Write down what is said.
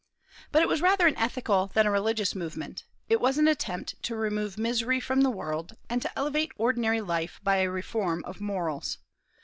But it was rather an ethical than a religious movement; it was an attempt to remove misery from the world, and to elevate ordinary life by a reform of morals.